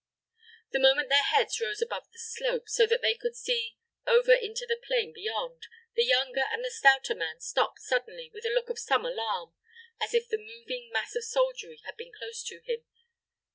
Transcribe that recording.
The moment their heads rose above the slope, so that they could see over into the plain beyond, the younger and the stouter man stopped suddenly, with a look of some alarm, as if the moving mass of soldiery had been close to him.